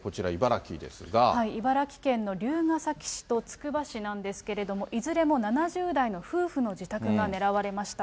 茨城県の龍ケ崎市とつくば市なんですけれども、いずれも７０代の夫婦の自宅が狙われました。